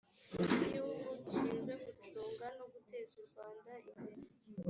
cy igihugu gishinzwe gucunga no guteza u rwanda imbere